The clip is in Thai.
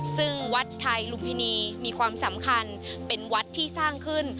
ซึ่งวัดไทยลุมพินีมีความสำคัญเป็นวัดที่สร้างขึ้น